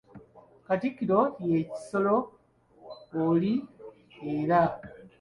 Katikkiro we ye Kisolo oli era.